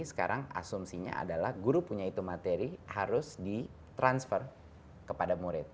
sekarang asumsinya adalah guru punya itu materi harus di transfer kepada murid